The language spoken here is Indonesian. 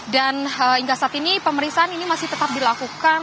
dan hingga saat ini pemeriksaan ini masih tetap dilakukan